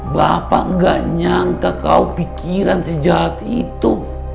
bapak gak nyangka kau pikiran si jahat itu